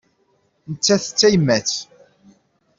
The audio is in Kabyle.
Nettat d tayemmat.